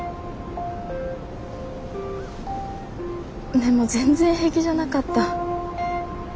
でも全然平気じゃなかった。